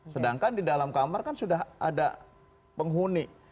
sedangkan di dalam kamar kan sudah ada penghuni